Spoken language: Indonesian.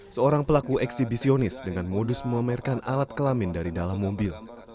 seorang pelaku eksibisionis dengan modus memamerkan alat kelamin dari dalam mobil